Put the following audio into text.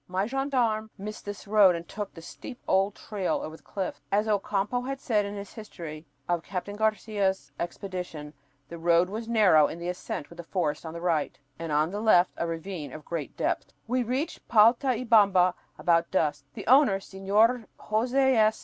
My gendarme missed this road and took the steep old trail over the cliffs. As Ocampo said in his story of Captain Garcia's expedition, "the road was narrow in the ascent with forest on the fight, and on the left a ravine of great depth." We reached Paltaybamba about dusk. The owner, Señor José S.